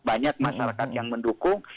banyak masyarakat yang mendukung